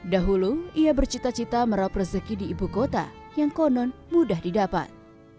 dahulu ia bercita cita meraup rezeki di ibu kota yang konon mudah didapat